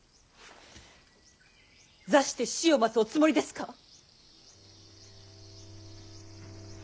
座して死を待つおつもりですか！